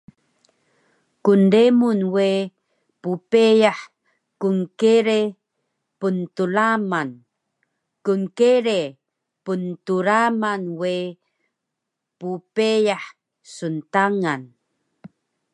Knremun we ppeyah knkere pntlaman. Knkere pntlaman we ppeyah sntangan